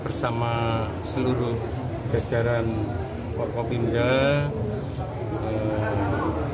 bersama seluruh jajaran kota tegal